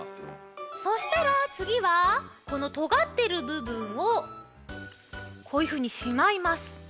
そしたらつぎはこのとがってるぶぶんをこういうふうにしまいます。